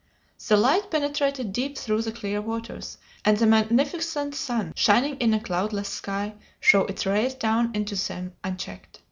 The light penetrated deep through the clear waters, and the magnificent sun, shining in a cloudless sky, shot its rays down into them unchecked.